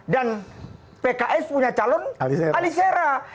dan pks punya calon alisera